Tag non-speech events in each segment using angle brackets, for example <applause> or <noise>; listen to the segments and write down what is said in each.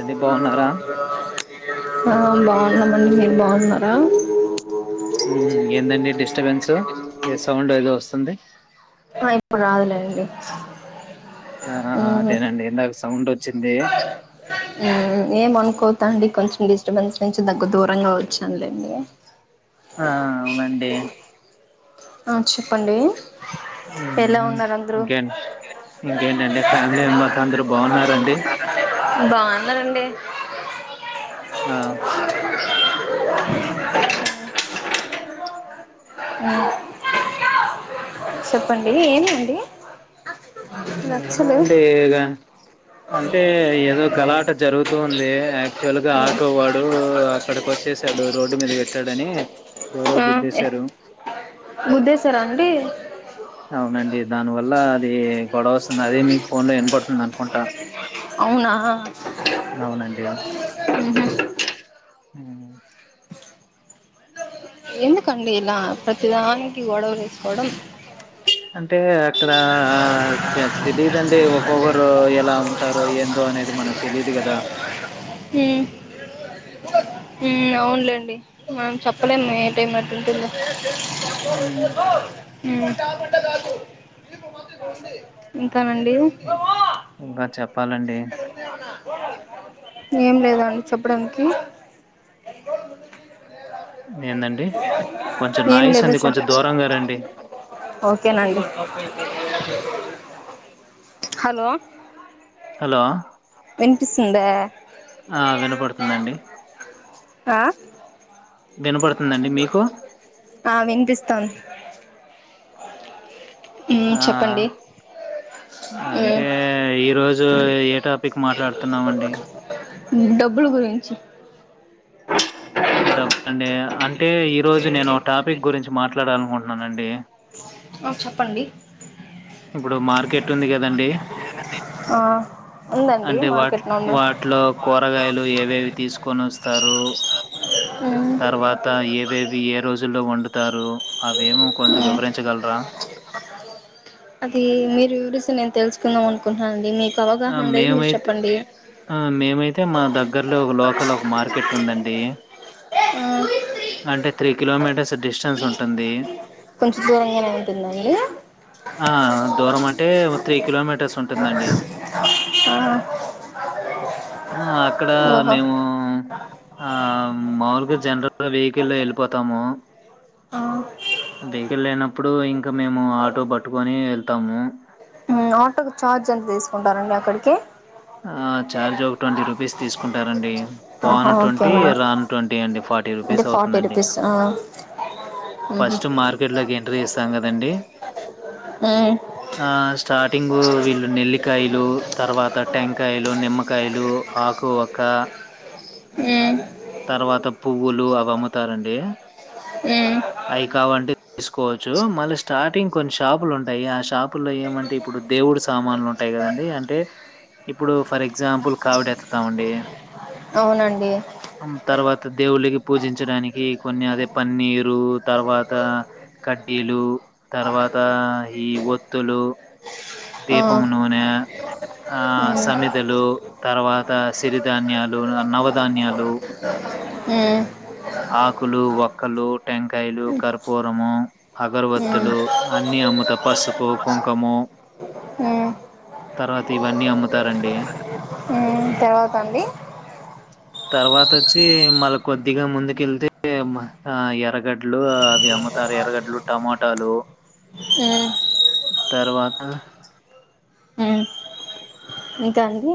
అండి బాగున్నారా బాగున్నామండి మీరు బాగున్నారా ఏందండి డిస్టర్బెన్సు సౌండ్ ఏదో వస్తుంది ఆ ఇప్పుడు రాదులే అండి ఆ అదేనండి ఇందాక సౌండ్ వచ్చింది అండి కొంచెం డిస్టర్బెన్స్ నుంచి తగ్గ దూరంగా వచ్చానులేండి ఆ అవునండి ఆ చెప్పండి ఊ ఎలా ఉన్నారు అందరూ ఇంకే ఇంకేంటండి ఫ్యామిలీ మెంబర్స్ అందరు బాగున్నారండి బాగున్నారండి ఆ మ్ చెప్పండి ఏమి అండి ఊ ఏమో అండి ఇగ, అంటే ఏదో గలాట జరుగుతూంది, యాక్చువల్గా ఆటో వాడు అక్కడికి వచ్చేసాడు రోడ్డు మీద పెట్టాడని ఎవరో గుద్దేశారు గుద్దేశరా అండి అలా ఏ గొడవ అది మీ ఫోన్ లో ఇన పడుతుంది అ ఉంటా అవునా ఉహు ఊ ఎందుకండి ఇలా ప్రతిదానికి గొడవలు ఎసుకోవడం ఇ అంటే అక్కడ ఆ చె తెలిదండి ఒక్కొక్కరు ఎలా ఉంటారో ఏందో అనేది మనకు తెలియదు గదా ఉమ్ ఊ ఉమ్ అవునులేండి మనం చెప్పలేము ఏ టైం ఎటుంటుందో హ్మ్. ఊ <unintelligible> ఉ ఉ ఇంకా చెప్పాలండి వా ఏం లేదండి చెప్పడనికి ఏందండి? కొంచెం ఏం నాయిస్ లేదు ఉంది. చే కొంచెం దూరంగా రండి. ఓకేనండి హలో హలో వినిపిస్తుందా ఆ వినపడుతుందండి ఆ వినపడుతుందండి మీకు? ఆ వినిపిస్తం అ <unintelligible> ఆ అంటే మ్మ్ ఈరోజు ఏ టాపిక్ మాట్లాడుతున్నామండి ఊ డబ్బులు గురించి ఊ డబ్బండయ అంటే ఈరోజు నేను టాపిక్ గురించి మాట్లాడాలనుకుం అవునండి ఆ చెప్పండి ఇప్పుడు మార్కెట్ ఉంది కదండి ఆ ఉందండి అంటే వాటి మార్కెట్ వాటి నుండి వాటిలో కూరగాయలు ఏవేవి తీసుకొని వస్తారు మ్మ్ తర్వాత ఏవేవి ఏ రోజుల్లో వండుతారు అవే మో కొంచం మ్మ్ వివరించగలరా అది మీరు వివరిస్తే నేను తెలుసుకుందాం అనుకుంటననండి మీ ఆ మేమైతే ఆ మేమైతే మా దగ్గర్లో ఒక లోకల్ ఒక మార్కెట్ ఉందండి ఆ అంటే త్రీ కిలోమీటర్స్ డిస్టెన్స్ ఉంటుంది కొంచెం దూరంగానే ఉంటుందండి ఆ దూరం అంటే ఒక త్రీ కిలోమీటర్స్ ఉంటుందండి ఆ ఆ అక్కడ ఓహో మేము అ ఆ మాములుగా జనరల్గా వెహికల్ లొ వెళ్ళిపోతాము. ఆ వెహికల్ లేనప్పుడు ఇంక మేము ఆటో పట్టుకొని వెళ్తాము. ఆటోకి ఛార్జ్ ఎంత తీసుకుంటారండి అక్కడికి ఆ ఛార్జ్ ఒక ట్వంటీ రూపీస్ తీసుకుంటారండి. ఆహా పోను ఓకే ట్వంటీ మేడం రాను ట్వంటీ అండి ఫార్టీ అంటే రూపీస్ ఫార్టీ అవుతుందండి. రూపీస్ ఆ ఊహు ఫస్ట్ మార్కెట్ లోకి ఎంట్రీ ఇస్తే మ్ కదండి మ్మ్ ఆ స్టార్టింగ్ వీళ్ళు నెల్లికాయలు తర్వాత టెంకాయలు, నిమ్మకాయలు, ఆకు, వక్క ఉ తర్వాత పువ్వులు అవి అమ్ముతారండి మ్మ్ అయి కావు వంటె తీసు కోవచ్చు మళ్ళీ స్టార్టింగ్ కొన్ని షాపులు ఉంటాయి ఆ షాపు లో ఏమంటే ఇప్పుడు దేవుడు సామాన్లు ఉంటాయి కదండి అంటే ఇప్పుడు ఫర్ ఎగ్జా ఎగ్జాంపుల్ కావిడెత్తుతామండి అవునండి తర్వాత దేవుళ్ల కి పూజించడానికి కొన్ని అదే పన్నీర్ లు తర్వాత కడ్డీలు తర్వాత ఈ ఒత్తులు ఆ దీపం నూనె ఆ మ్మ్ సమిదలు తర్వాత సిరిధాన్యాలు, నవధాన్యాలు హు ఆకులు వ వక్కలు, టెంకాయలు, కర్పూరము, మ్మ్ అగరవత్తులు అన్నీ అమ్ముతా పసుపు, కుంకము మ్మ్ తర్వాత ఇవన్నీ అమ్ముతారండి. తర్వాతండి తర్వాత వచ్చి మళ్ళ కొద్దిగా ముందు కిందకి అమ్మ ఎరగడ <unintelligible> అవి అమ్ముతారు ఎరగడ్లు టమాటాలు మ్మ్ తర్వాత ఆ అ ఇంకా అండి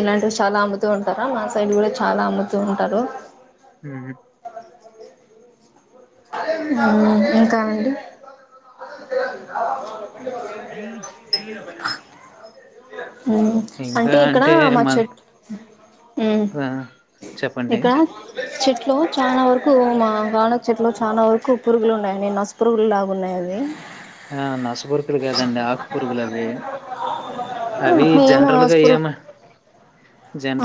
ఇలాంటివి చాలా అమ్ముతూ ఉంటారా మా సైడ్ కూడా చాలా అమ్ముతూ ఉంటారు హ ఉ ఇంకా ఇంకానండి అండి <inaudible> <inaudible> <inaudible> ఉ అంటే ఇక్కడ మా చె ఉ చెప్పండి ఇక్కడ చెట్లో చాలా వరకు మా న చెట్లో చాలా వరకు పురుగులు ఉన్నాయ నసపురుగులు లాగా ఉన్నాయి అవి ఆ నసపురుకులు కాదండి ఆకుపురుగులు అవి అవి ఏమో జనరల్గా స్కూల్ ఏం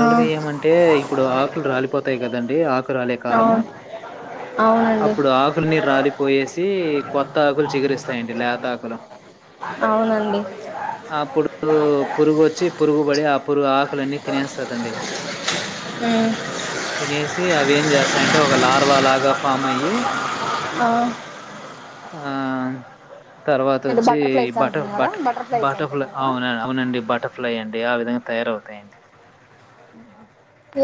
ఆ గా ఏమంటే ఇప్పుడు ఆకులు రాలిపోతాయి కదండి ఆకు కాలము అవును అవునండి అప్పుడు ఆకులని రాలిపోయేసి కొత్త ఆకులు చిగురిస్త లేతాకులు అవునండి అప్పుడు పురుగు వచ్చి పురుగు పడి ఆ పురుగు ఆకులన్నీ తినేస్తదండి ఆ తినేస్ అవి ఏం చేస్తాయంటే ఒక లార్వా లాగా ఫామ్ అయి ఆ ఆ తర్వాత అంటే వచ్చి బటర్ఫ్లైస్ బటర్ అంటున్నారా బటర్ఫ్లై బటర్ఫ్లైస్ బటర్ఫ్లై అంటున్నారా అవున అవునండి బటర్ఫ్లై అండి ఆ విధంగా తయారవుతాయండి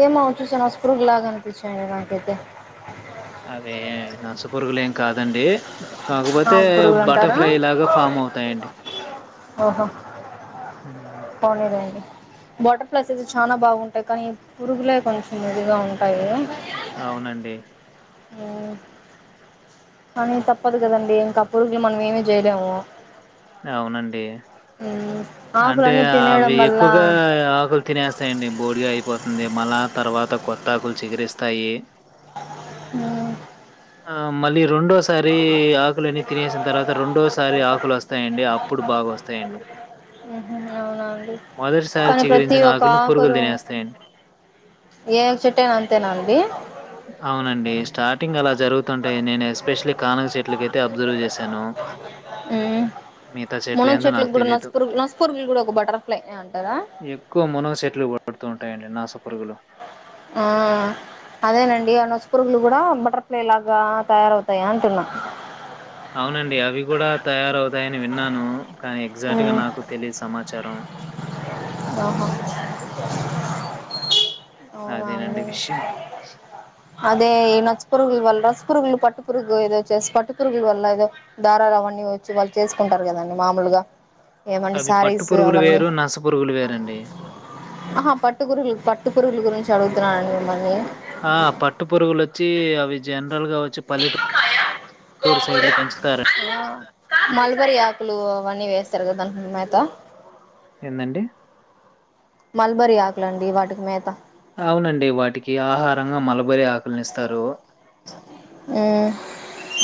ఏమో చూసాను అ స్పర్గ లాగా అనిపించాను నాకైతే అదే నస పరుగులు ఏం కాదండి కాకపోతే ఆకు పురుగులు అంటారా బటర్ఫ్లై లాగా ఫామ్ అవుతాయంండి అహా పోని లెండి వాటర్ఫ్లైస్ అయితే చాలా బాగుంటాయి కానీ పురుగులే కొంచెం ఇదిగా ఉంటాయి అవునండి ఉమ్ అనీ తప్పదు కదండి ఇంకా పురుగులు మనం ఏమి చేయలేము అవునండి అంటే ఆకులన్నీ అవి తినేయడం ఎక్కువగా వల్ల ఆకులు తినేస్తాయండి బోర్డిగా అయిపోతా ది మళ తర్వాత కొత్తాకులు చిగిరిస్తాయి ఉమ్ ఆ మలి రెండోసారి ఆకులన్నని తినేసిన తర్వాత రెండోసారి ఆకులు వస్తయి నండి అప్పుడు బాగా వస్తాయండి ఉహు అవునా అండి మొదటిసారి కానీ ప్రతి చికరించిన ఒక్క ఆకులను పురుగులు ఆకరు తినేస్తాయండి ఏ చుట్టే నా అంతేనండి జరుగుతుంటయి నేను ఎస్పెషలీ కానక చెట్లకైతే అబ్జర్వ్ చేశాను ఉమ్ మునగు నాకు చెట్లకుకి కూడా తెలీదు. నస్పురుగు నస్పురుగులు కూడా ఒక బటర్ఫ్లై అంటారా ఎక్కువ మునగ చెట్లు పడుతూ ఉంటాయండి నాస పొరుగులు ఆ అదేనండి ఆ నచ్చపురుగులు కూడా బటర్ఫ్లై లాగా తయారవుతాయా అంటున్నా అవునండి అవి కూడా తయారవుతాయని విన్నాను కానీ ఎగ్జాక్ట్ గా ఉమ్ నాకు తెలియ సమా చారం ఆహా అవునా అదేనండి అండి విషయం అదే ఈ నచ్చపురుగుల వల్ల రసపురుగులు పట్టు పురుగు ఏదో చేస్తసి పట్టు పురుగుల వల్ల ఏదో దారాలు అవన్నీ వచ్చి వాళ్ళు చేసుకుంటారు కదండి మామూలుగా ఏమండి అవి పట్టు శారీస్ పురుగులు అవన్నీ వేరు, నస పురుగులు వేరండి. ఆహా పట్టుకురలు పట్టు పట్టు పురుగుల గురించి అడుగుతున్నానడి మిమ్మల్ని ఆ పట్ పట్టు పొరుగుల వచ్చి ఆ విజయాన్ని గా వచ్చి పల్లెటూరు సైడ్లు పెంచుతార ఆ మల్బరి ఆకులు అవన్నీ వేస్తారు కదా దానికి మేత ఏందండి మల్బరి ఆకులండి వాటికి మేత అవునండి వాటికి ఆహారంగా మలబరి ఆకు పనిస్తారు ఆ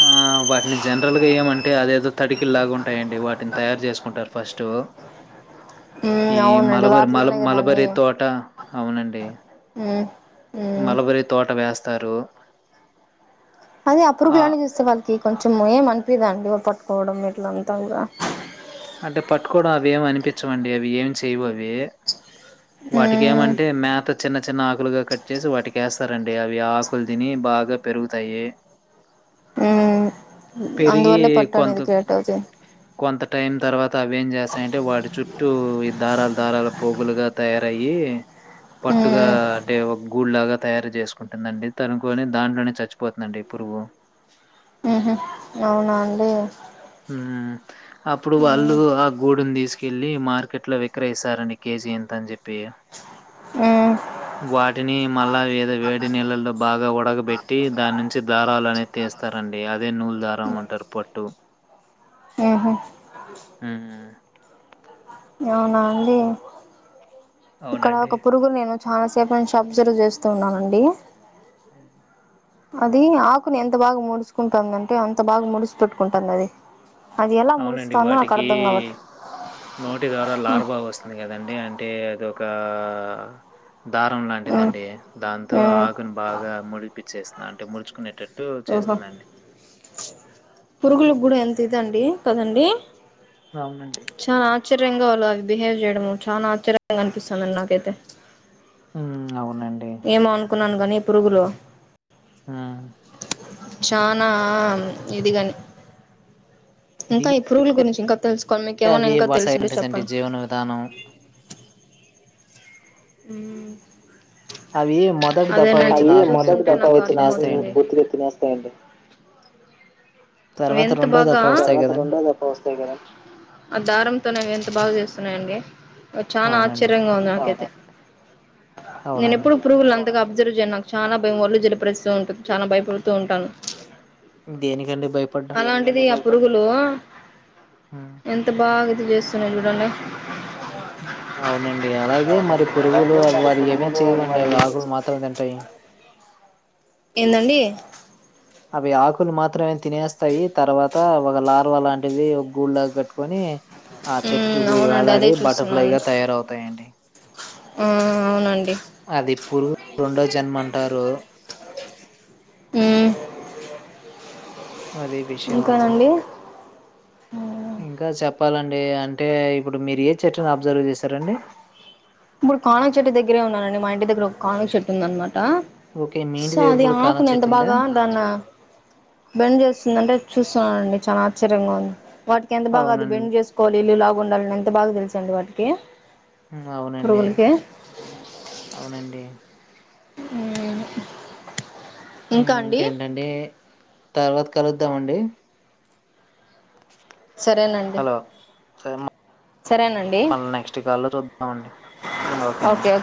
ఆ వాటిని జనరల్ గా ఏమంటే అదేదో తడికిల్లాగుం ఉంటాయండి వాటిని తయారు చేసుకుంటారు ఫస్ట్ ట్ మ్మ్ ఈ అవునండి మలబరి మల వాటిలోనే కదా అన్ని మలబరి తోట అవునండి మ్మ్ మ్మ్ మలబరి తోట వేస్ తరు అది ఆ పురుగులన్నీ చూస్తే వాళ్ళు కొంచెం ఏం అనిపిదాఅండి పట్టుకోవడం ఇట్ల ఉంటదిగా అంటే పట్టుకోవడం అవేమి అనిపించవండి అవి ఏమి చేయవు అవి వాటికి మ్మ్ ఏమంటే మేత చిన్న చి చిన్న ఆకులుగా కట్ చేసి వాటికి వేస్తారండి అవి ఆకులు తిని బాగా పెరుగుతాయి హ్మ్ పెరిగి అందువల్ల పట్టు కొంత అనేది క్రియేట్ అవుతుది కొంత టైం తర్వాత అవి ఏం చేస్తాయంటే వాటి చుట్టూ ఈ దారాలు దారాలు పోగులుగా తయారు తయారయ్యి పట్టుగా మ్మ్ అంటే ఒక గుడి లాగా తయారు చేసుకుంటుందండి. తనుకోరి దాంట్లోనే చచ్చిపోతుందండి. ఈ పురుగు ఊహూ అవునా అండి హ్మ్ అప్పుడు వాళ్ళు మ్మ్ ఆ గూడుని తీసుకు కెళ్ళి మార్కెట్ లో విక్రయిస్తారండి కేజీ ఎంత అని చెప్పి మ్మ్ <unintelligible> వాటిని మళ్ళా ఏదో వేడి నీళ్లల్లో బాగా ఉడగబెట్టి దాని నుంచి దారాలు అనేది తీస్తారండి, అదే నూలు దారం అంటారు పట్టు ఆహా మ్ అవునా అండి ఇక్కడ అవునండి. ఒక పురుగులు నేను చాలాసేపు నుంచి అబ్జర్వ్ చేస్తూ ఉన్నానండి హ్మ్. అది ఆకుని ఎంత బాగా ముడుచుకుంటుందంటే అంత బాగా ముడుసి పెట్టుకుంటాంది అది అది ఎలా అవునండి. ముడుస్తుందో నాకు వాటికి అర్థం కావట్లే నోటి ద్వారా లార్వా వస్తుంది కదండి అంటే అద కా దారం మ్మ్ లాంటిదండి దాంతో మ్మ్ ఆకును బాగా ముడిపిచ్చేస్ అంటే ముడుుకునేటట్టు ఓహో పురుగులు కూడా ఎం ఇదండి. కదండి. అవునండి. స్ప్రింగో లో అది బిహేవ్ చేయడము చాలా ఆశ్చర్యంగా కనిపిస్తుందండి. నాకైతే హ్మ్ అవును ఏమో అనుకు కున్నాను కానీ పురుగులు ఆ చాలా ఇది గానీ ఇంకా ఈ పురుగుల గురించి ఇంకా తెలుసుకోవాలి అంటే మీకేమైనా అవి ఇంకా మా సైడ్ తెలుసుంటే ఉంటదండీ చెప్పండి జీవన విధానం. హ్మ్ అవి మొదటి దఫా అదెలెండి వచ్చిన ఆకుల్ని పూర్తిగా తినేస్తాయండి. <unintelligible> తర్వాత ఎంత రెండో బాగా దఫా వస్తాయి కదండి ఆ దారంతోనే అవి బాగా చేస్తా అవునండి చానా అవునండి ఆశ్చర్యంగా ఉంది నాకైతే నేను అవునండి ఎప్పుడు పురుగులన్ అంతగా అబ్జర్వ్ చేయను నాకు చాలా భయం వళ్ళు జలిపరిస్తూ ఉంటంది చాలా భయపడుతూ ఉంటాను దేనికండిమ్ అలాంటిది పురుగులు హ్మ్. ఎంత బాగుం ఏమ్ చేస్తున్నా చూడన్నా ఉమ్ అవునండి అలాగే మరీ పురుగులు అయితే అ మరి వాటి ఏమే పురుగులు చేయవండి మరి అవి ఆకులు మాత్రం తింటాయి. ఏందండి అవి ఆకులు మాత్రమే తినేస్తాయి. తర్వాత ఒక లార్వ లాంటిది ఒక గూండా కట్టుకొని ఆ మ్మ్ చెట్టుకు అవునండి అదే వేలాడి బటర్ఫ్లై చూస్తున్నాను గా తయారవుతాయండి. ఊమ్ అవునండి అది పురుగు రొండో జన్మ అంటారు. ఉ అదే విషయం అండి ఇంకా చెప్పాలండి అంటే ఇప్పుడు మీరు ఏ చటన్ అబ్జర్వ్ చేశారండి ఇప్పుడు కానుగ చెట్టు దగ్గరే ఉన్నానండి మా ఇంటి దగ్గర ఒక కానుగ్ చెట్టు ఉందన్ మాట్ ట ఓకే. మీ సో ఇంటి దగ్గర అది కూడా కానా ఆకుని ఎంత చెట్టుందా? బాగా దాన్న బెండ్ చేస్తుందంటే చూస్తున్నానండి చాలా ఆశ్చర్యంగా ఉంది వాటికి ఎంతా బాగా అది అవునండి. బెండ్ జేసుకోవాలి ఇళ్లులావు ఉండాలని ఎంత బాగా తెలుసు అండి వాటికి ఉ అవునండి పురుగులకి అవునండి ఉహు ఉ ఇంకేంటండి తర్వాత కలుద్దాం అండి సరేనండి సరేఅమ్మ సరేనండి మళ్ళ నెక్స్ట్ కాల్లో చూద్దామండి ఊమ్ ఓకేనండి